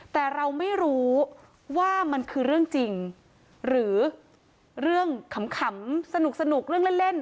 แต่เราไม่รู้ว่ามันคือเรื่องจริงหรือเรื่องขำสนุกเรื่องเล่น